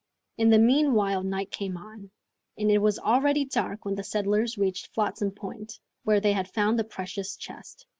In the meanwhile night came on, and it was already dark when the settlers reached Flotsam Point, where they had found the precious chest.